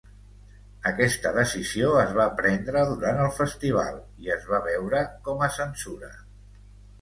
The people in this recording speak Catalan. Aquesta decisió es va prendre durant el festival, i es va veure com a censura.